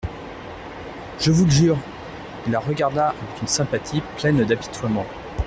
Je vous le jure ! Il la regarda avec une sympathie pleine d'apitoiement.